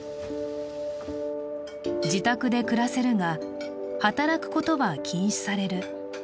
自宅で暮らせるが、働くことは禁止される。